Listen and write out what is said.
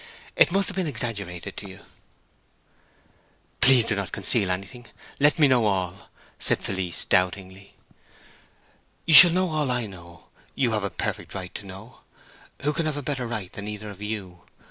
It must have been exaggerated to you." "Please do not conceal anything—let me know all!" said Felice, doubtingly. "You shall know all I know—you have a perfect right to know—who can have a better than either of you?"